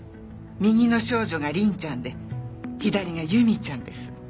右の少女が凛ちゃんで左が由美ちゃんです。